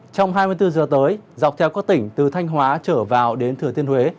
trong hai mươi bốn giờ tới dọc theo các tỉnh từ thanh hóa trở vào đến thừa thiên huế